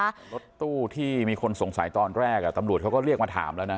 รถตู้ที่มีคนสงสัยตอนแรกอ่ะตำรวจเขาก็เรียกมาถามแล้วนะ